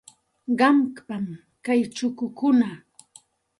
Qampam kay chukukuna.